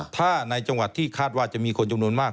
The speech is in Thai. ถ้าในจังหวัดที่คาดว่าจะมีคนจำนวนมาก